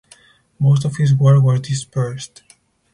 Most of his work was dispersed.